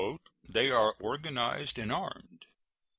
"They are organized and armed.